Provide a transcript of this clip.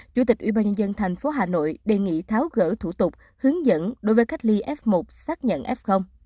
chủ tịch ubnd tp hà nội đề nghị tháo gỡ thủ tục hướng dẫn đối với cách ly f một xác nhận f